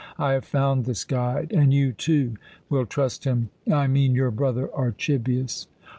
I have found this guide, and you, too, will trust him I mean your brother Archibius."